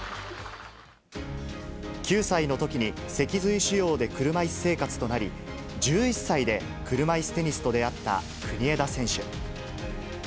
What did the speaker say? ９歳のときに脊髄腫瘍で車いす生活となり、１１歳で車いすテニスと出会った国枝選手。